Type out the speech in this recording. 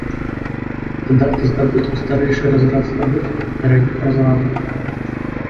Дадаць да здабытку старэйшы разрад здабытку папярэдніх разрадаў.